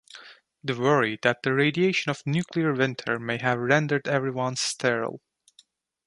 They worry that the radiation of the nuclear winter may have rendered everyone sterile.